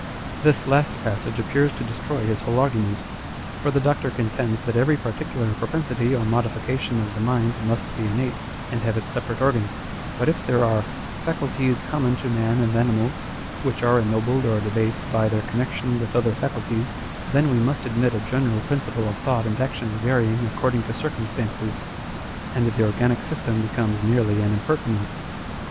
l This last passage appears to destroy his^whole argu ment. For the Doctor contends that every particular propensity or modification of the mind must be innate, and have its separate organ ; but if there are " faculties common to man and animals," which are ennobled or debased by their connection with other faculties, then we must admit a general principle of thought and action varying according to circumstances, and the organic system becomes nearly an impertinence.